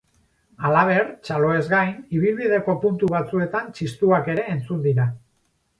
Halaber, txaloez gain, ibilbideko puntu batzuetan txistuak ere entzun dira.